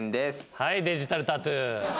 はいデジタルタトゥー。